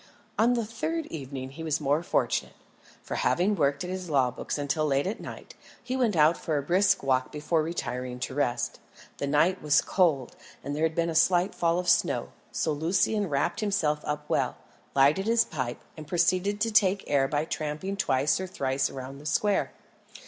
On the third evening he was more fortunate, for having worked at his law books until late at night, he went out for a brisk walk before retiring to rest. The night was cold, and there had been a slight fall of snow, so Lucian wrapped himself up well, lighted his pipe, and proceeded to take the air by tramping twice or thrice round the square.